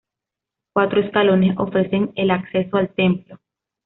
Cuatro escalones ofrecen el acceso al templo.